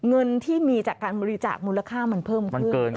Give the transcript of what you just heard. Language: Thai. เงินที่มีจากการบริจาคมูลค่ามันเพิ่มขึ้น